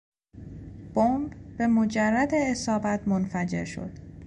بمب به مجرد اصابت منفجر شد.